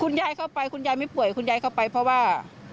ยายเข้าไปคุณยายไม่ป่วยคุณยายเข้าไปเพราะว่า